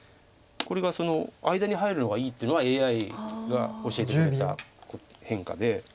これが間に入るのがいいっていうのはＡＩが教えてくれた変化で。